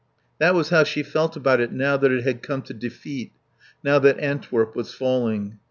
That was how she felt about it now that it had come to defeat, now that Antwerp was falling.